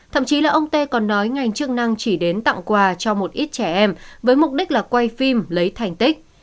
thậm chí là ông tê còn nói ngành chức năng chỉ đến tặng quà cho một ít trẻ em với mục đích là quay phim lấy thành tích